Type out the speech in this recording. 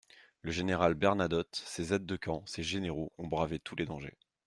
Le général Bernadotte, ses aides-de-camp, ses généraux ont bravé tous les dangers.